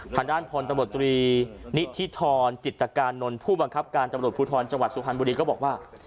ทางด้านพลตำรวจตรีนิธิธรจิตกานนท์ผู้บังคับการตำรวจภูทรจังหวัดสุพรรณบุรีก็บอกว่า